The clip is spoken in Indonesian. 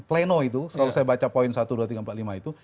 pleno itu selalu saya baca poin satu dua tiga empat puluh lima itu